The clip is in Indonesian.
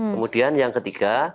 kemudian yang ketiga